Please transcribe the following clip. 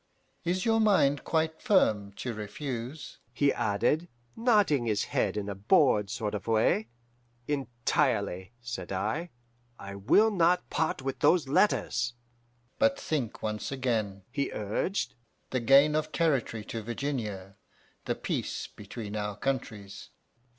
Is your mind quite firm to refuse?' he added, nodding his head in a bored sort of way. "'Entirely,' said I. 'I will not part with those letters.' "'But think once again,' he urged; 'the gain of territory to Virginia, the peace between our countries!